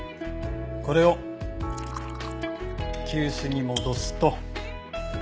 これを急須に戻すと。